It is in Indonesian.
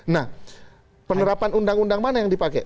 nah penerapan undang undang mana yang dipakai